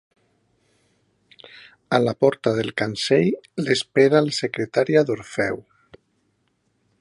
A la porta del cancell l'espera la secretària d'Orfeu.